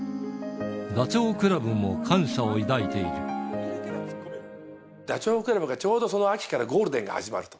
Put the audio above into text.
ダチョウ倶楽部も感謝を抱いダチョウ倶楽部が、ちょうどその秋からゴールデンが始まると。